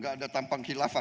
gak ada tampang khilafah